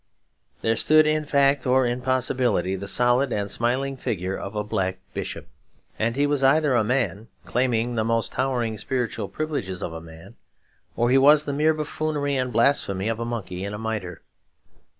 There stood, in fact or in possibility, the solid and smiling figure of a black bishop. And he was either a man claiming the most towering spiritual privileges of a man, or he was the mere buffoonery and blasphemy of a monkey in a mitre.